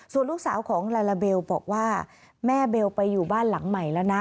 ส่วนลูกสาวของลาลาเบลบอกว่าแม่เบลไปอยู่บ้านหลังใหม่แล้วนะ